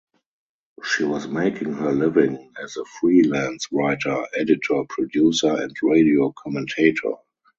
She was making her living as a free-lance writer, editor, producer, and radio commentator.